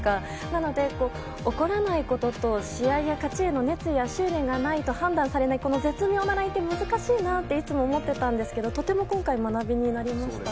なので怒らないことと試合の勝ちへの熱意や執念がないと判断されないこの絶妙なラインが難しいなといつも思ってたんですけどとても今回学びになりました。